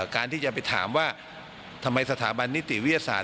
การที่จะไปถามว่าทำไมสถาบันนิติวิทยาศาส